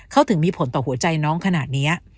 เขาถึงมีผลต่อหัวใจน้องขนาดนี้